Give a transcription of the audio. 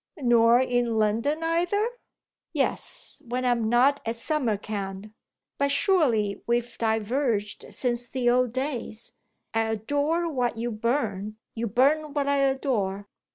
"Nor in London either?" "Yes when I'm not at Samarcand! But surely we've diverged since the old days. I adore what you burn, you burn what I adore."